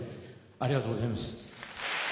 ありがとうございます。